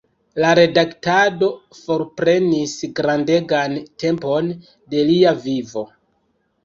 La redaktado forprenis grandegan tempon de lia vivo.